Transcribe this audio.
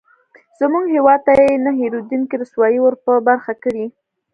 زموږ هېواد ته یې نه هېرېدونکې رسوایي ورپه برخه کړې.